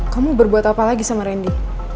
kamu berbuat apa lagi sama randy